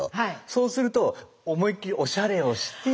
そうすると思いっきりおしゃれをして。